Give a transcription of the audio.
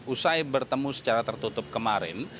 usai bertemu secara tertutup kemarin